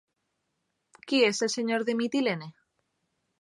Qui és el senyor de Mitilene?